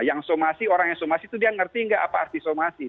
yang somasi orang yang somasi itu dia ngerti nggak apa arti somasi